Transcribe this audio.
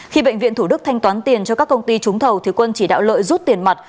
khi bệnh viện thủ đức thanh toán tiền cho các công ty trúng thầu thì quân chỉ đạo lợi rút tiền mặt